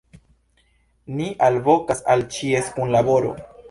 Ni alvokas al ĉies kunlaboro.